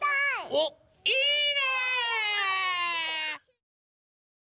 おいいね！